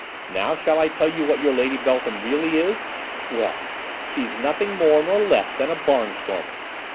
Now shall I tell you what your Lady Beltham really is? Well, she is nothing more nor less than a barnstormer!